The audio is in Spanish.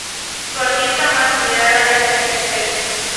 Su artista más admirada es Alicia Keys.